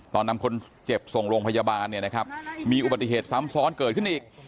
นำคนเจ็บส่งโรงพยาบาลเนี่ยนะครับมีอุบัติเหตุซ้ำซ้อนเกิดขึ้นอีก